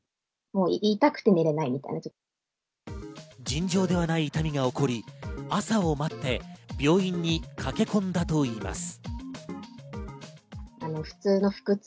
尋常ではない痛みが起こり、朝を待って病院に駆け込んだといいます。